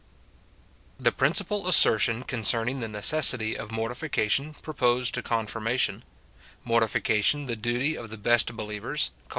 The principal assertion concerning the necessity of mortification proposed to confirmation — Mortification the duty of the best believers, Col.